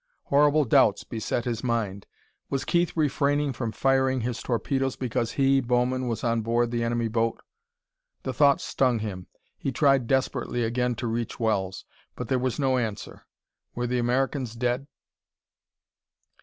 Horrible doubts beset his mind. Was Keith refraining from firing his torpedoes because he, Bowman, was on board the enemy boat? The thought stung him. He tried desperately again to reach Wells; but there was no answer. Were the Americans dead?